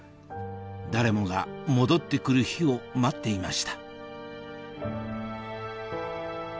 誰もが戻って来る日を待っていました